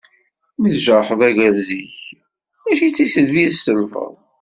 Mi tjerḥeḍ agrez-ik mačči d tisselbi i tselbeḍ.